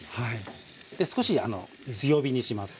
で少し強火にします。